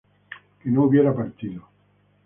que no hubiera partido